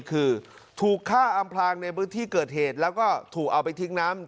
คือถูกฆ่าอำพลางในพื้นที่เกิดเหตุแล้วก็ถูกเอาไปทิ้งน้ำ